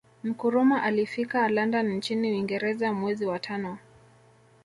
Nkrumah alfika London nchini Uingereza mwezi wa tano